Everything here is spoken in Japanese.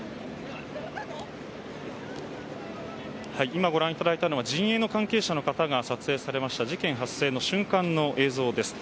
今ご覧いただいたのは陣営の関係者の方が撮影されました事件発生瞬間の映像です。